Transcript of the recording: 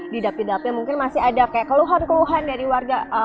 di dapil dapil mungkin masih ada kayak keluhan keluhan dari warga